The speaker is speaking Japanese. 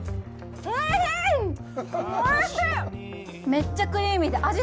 めっちゃクリーミーで味